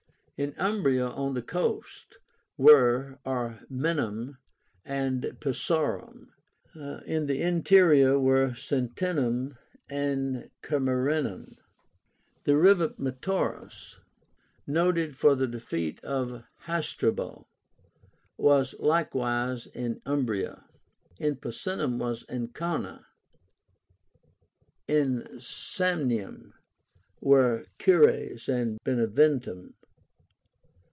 In Umbria, on the coast, were Ariminum and Pisaurum; in the interior were Sentinum and Camerínum. The river Metaurus, noted for the defeat of Hasdrubal, was likewise in Umbria. In Picenum was Ancona. In Samnium were Cures and Beneventum.